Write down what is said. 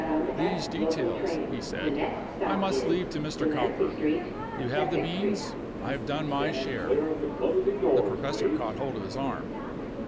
"These details," he said, "I must leave to Mr. Cowper. You have the beans. I have done my share." The professor caught hold of his arm.